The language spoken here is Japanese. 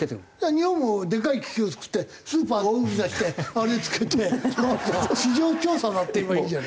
日本もでかい気球作ってスーパーの「大売り出し」ってあれ付けて市場調査だって言えばいいじゃない。